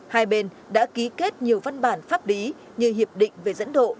hai bên đã ký kết nhiều văn bản pháp lý như hiệp định về dẫn độ